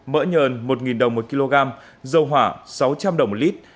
mỡ nhờn một đồng một kg dầu hỏa sáu trăm linh đồng một lít